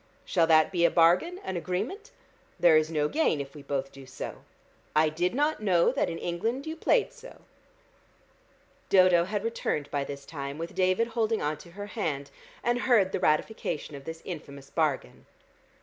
Shall that be a bargain, an agreement? There is no gain if we both do so. I did not know that in England you played so." Dodo had returned by this time, with David holding on to her hand, and heard the ratification of this infamous bargain.